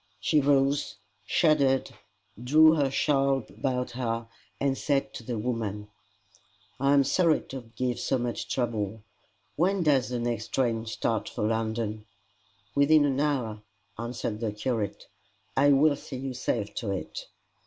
She rose, shuddered, drew her shawl about her, and said to the woman, "I am sorry to give so much trouble. When does the next train start for London?" "Within an hour," answered the curate. "I will see you safe to it."